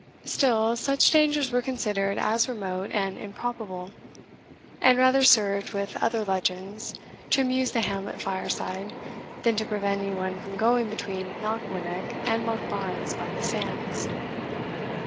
Still, such dangers were considered as remote and improbable; and rather served, with other legends, to amuse the hamlet fireside, than to prevent any one from going between Knockwinnock and Monkbarns by the sands.